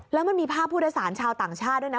แล้วมันมีภาพผู้โดยสารชาวต่างชาติด้วยนะ